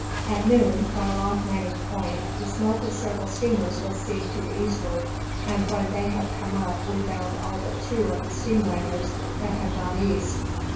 At noon, while off Manning point, the smoke of several steamers was seen to the eastward, and when they had come up we found all but two of the steam whalers that had gone east.